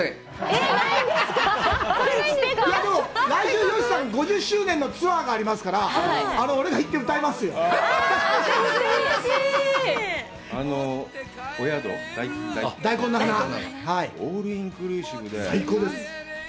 でも、来週、吉さん、５０周年のツアーがありますから、俺が行って歌いますよ。